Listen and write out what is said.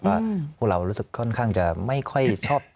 ว่าพวกเรารู้สึกค่อนข้างจะไม่ค่อยชอบ